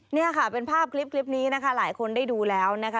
นี่ค่ะเป็นภาพคลิปนี้นะคะหลายคนได้ดูแล้วนะคะ